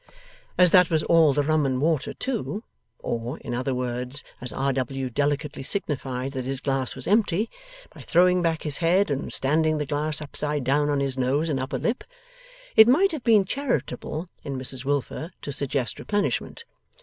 As that was all the rum and water too, or, in other words, as R. W. delicately signified that his glass was empty, by throwing back his head and standing the glass upside down on his nose and upper lip, it might have been charitable in Mrs Wilfer to suggest replenishment.